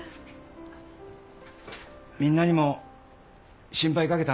みんなにも心配かけたな。